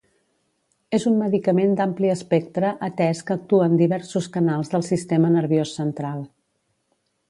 És un medicament d'ampli espectre atès que actua en diversos canals del sistema nerviós central.